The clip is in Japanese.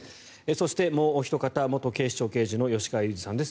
そしてもうおひと方元警視庁刑事の吉川祐二さんです。